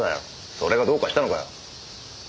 それがどうかしたのかよ？